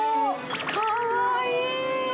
かわいい！